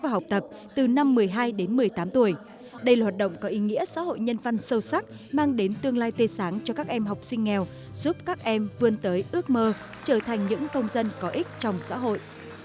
học tập từ năm một mươi hai đến một mươi tám tuổi đây là hoạt động có ý nghĩa xã hội nhân văn sâu sắc mang đến tương lai tươi sáng cho các em học sinh nghèo giúp các em vươn tới ước mơ trở thành những công dân có ích trong xã hội